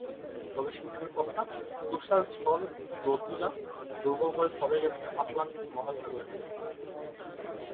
তবে সুখের কথা, তুষারঝড় স্লোজিলা দুর্বল হয়ে সরে গেছে আটলান্টিক মহাসাগরের দিকে।